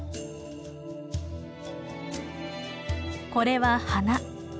これは花。